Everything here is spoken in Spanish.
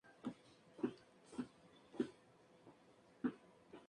Los prisioneros eran privados de alimentos y trabajaban desde al amanecer hasta el anochecer.